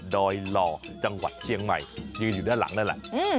ดอยหล่อจังหวัดเชียงใหม่ยืนอยู่ด้านหลังนั่นแหละ